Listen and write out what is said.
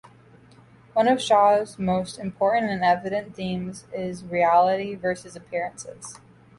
One of Shaw's most important and evident themes is reality versus appearances.